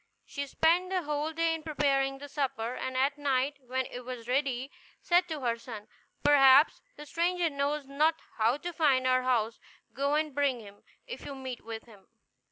She spent the whole day in preparing the supper; and at night, when it was ready, said to her son, "Perhaps the stranger knows not how to find our house; go and bring him, if you meet with him."